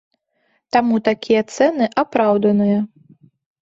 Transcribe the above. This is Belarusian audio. Таму такія цэны апраўданыя.